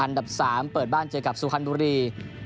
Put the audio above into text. อันดับ๓เปิดบ้านเจอกับซูค่านบมรี